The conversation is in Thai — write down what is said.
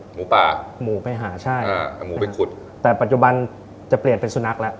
หมูป่าหมูไปหาใช่อ่าหมูไปขุดแต่ปัจจุบันจะเปลี่ยนเป็นสุนัขแล้ว